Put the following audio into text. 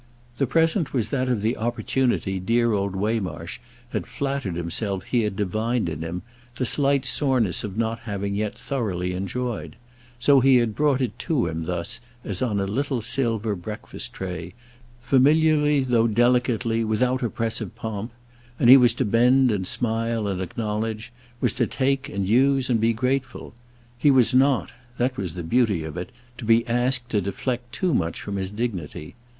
The present was that of the opportunity dear old Waymarsh had flattered himself he had divined in him the slight soreness of not having yet thoroughly enjoyed; so he had brought it to him thus, as on a little silver breakfast tray, familiarly though delicately—without oppressive pomp; and he was to bend and smile and acknowledge, was to take and use and be grateful. He was not—that was the beauty of it—to be asked to deflect too much from his dignity.